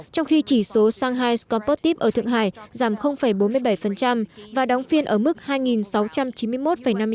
trong khi chỉ số shanghai composite ở thượng hải giảm bốn mươi bảy và đóng phiên ở mức hai sáu trăm chín mươi một năm mươi chín điểm